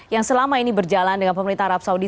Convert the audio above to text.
yang selama ini berjalan dengan pemerintah arab saudi